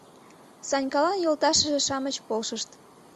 — Санькалан йолташыже-шамыч полшышт.